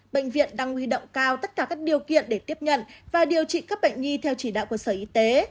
bệnh viện đang huy động cao tất cả các điều kiện để tiếp nhận và điều trị các bệnh nhi theo chỉ đạo của sở y tế